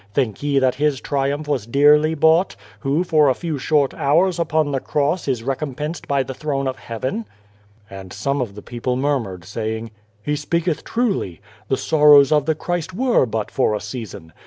Think ye that His triumph was dearly bought, who for a few short hours upon the Cross is recompensed by the throne of Heaven ?" And some of the people murmured, saying : "He speaketh truly. The sorrows of the 54 God and the Ant Christ were but for a season.